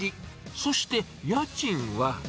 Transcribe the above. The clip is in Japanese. そして、家賃は。